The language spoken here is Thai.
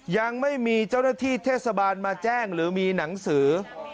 ยังไม่มีเจ้าหน้าที่เทศบาลมาแจ้งหรือมีหนังสือ